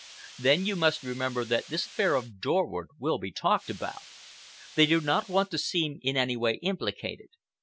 Then you must remember that this affair of Dorward will be talked about. They do not want to seem in any way implicated.